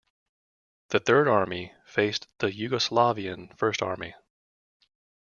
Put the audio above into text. The Third Army faced the Yugoslavian First Army.